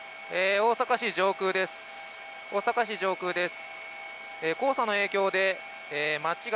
大阪城上空です。